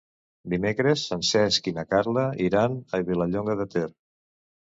Dimecres en Cesc i na Carla iran a Vilallonga de Ter.